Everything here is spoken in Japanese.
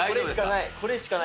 これしかない。